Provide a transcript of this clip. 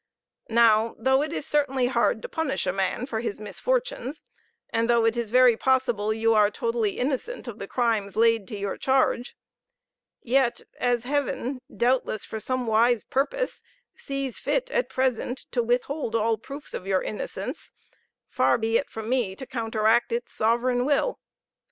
Now, though it is certainly hard to punish a man for his misfortunes, and though it is very possible you are totally innocent of the crimes laid to your charge; yet as heaven, doubtless for some wise purpose, sees fit at present to withhold all proofs of your innocence, far be it from me to counteract its sovereign will.